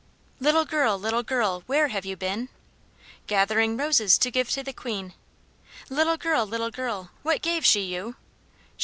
"Little girl, little girl, where have you been?" "Gathering roses to give to the queen." "Little girl, little girl, what gave she you?"